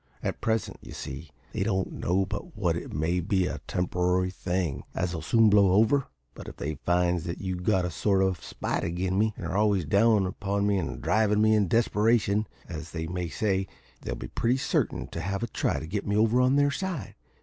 At present, you see, they don't know but what it may be a temp'ry thing as'll soon blow over; but if they finds that you've got a sort of spite again' me, and are always down upon me and drivin' me to desperation, as you may say, they'll be pretty certain to have a try to get me over on their side.